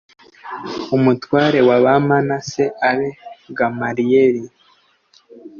umutware w abamanase abe gamaliyeli